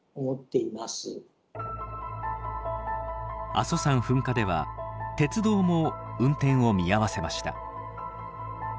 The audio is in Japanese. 阿蘇山噴火では鉄道も運転を見合わせました。